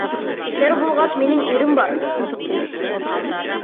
Иҫәр булғас, минең ирем бар!